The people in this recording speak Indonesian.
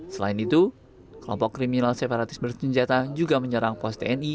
selain itu kelompok kriminal separatis bersenjata juga menyerang pos tni